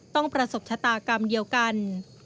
ต้องประสบชะตากรรมเดียวกัน